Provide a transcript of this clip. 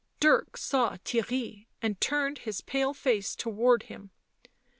Dirk saw Theirry, and turned his pale face towards him.